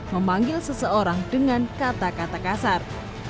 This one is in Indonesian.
memanggil seseorang dengan kata kata kasar